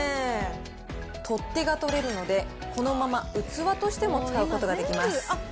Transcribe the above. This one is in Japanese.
取っ手が取れるので、このまま器としても使うことができます。